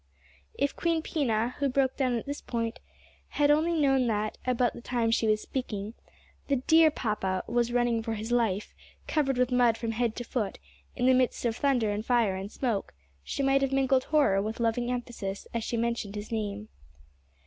If Queen Pina, who broke down at this point, had only known that, about the time she was speaking, the dear papa was running for his life, covered with mud from head to foot, in the midst of thunder and fire and smoke, she might have mingled horror with loving emphasis as she mentioned his name.